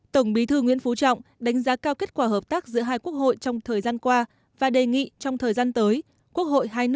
tổng bí thư nguyễn phú trọng đánh giá cao kết quả hợp tác giữa hai quốc hội trong thời gian qua và đề nghị trong thời gian tới